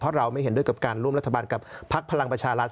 เพราะเราไม่เห็นด้วยกับการร่วมรัฐบาลกับพักพลังประชารัฐ